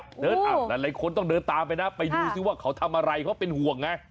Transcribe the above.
หลายคนต้องเดินตามไปนะไปดูซิว่าเขาทำอะไรเขาเป็นห่วงไง